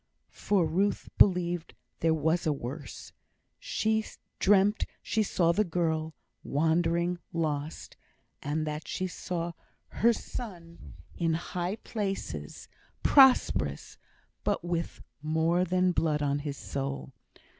For Ruth believed there was a worse. She dreamt she saw the girl, wandering, lost; and that she saw her son in high places, prosperous but with more than blood on his soul.